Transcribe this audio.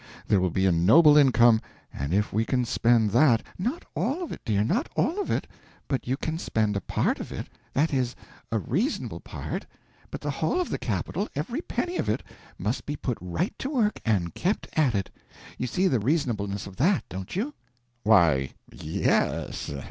There will be a noble income and if we can spend that " "Not _all _of it, dear, not all of it, but you can spend a part of it. That is, a reasonable part. But the whole of the capital every penny of it must be put right to work, and kept at it. You see the reasonableness of that, don't you?" "Why, ye s.